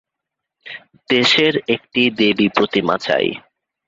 দেশের একটা দেবীপ্রতিমা চাই।